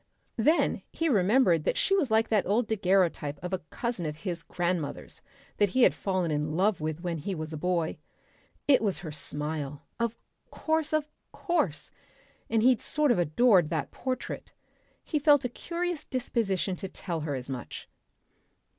Then he remembered that she was like that old daguerreotype of a cousin of his grandmother's that he had fallen in love with when he was a boy. It was her smile. Of course! Of course!... And he'd sort of adored that portrait.... He felt a curious disposition to tell her as much....